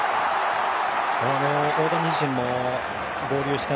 大谷自身も合流した